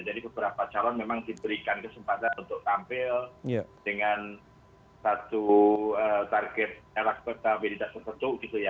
jadi beberapa calon memang diberikan kesempatan untuk tampil dengan satu target elastisabilitas tertentu gitu ya